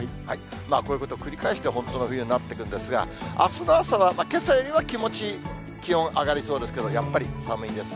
こういうこと繰り返して、本当に冬になっていくんですが、あすの朝はけさよりは気持ち気温上がりそうですけれども、やっぱり寒いです。